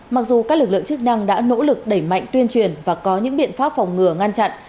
mặc dù các lực lượng chức năng đã nỗ lực đẩy mạnh tuyên truyền và có những biện pháp phòng ngừa ngăn chặn